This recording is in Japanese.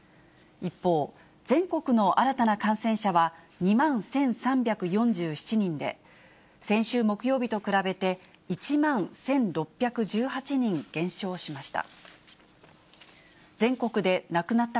一方、全国の新たな感染者は２万１３４７人で、先週木曜日と比べて１万１６１８人減少しました。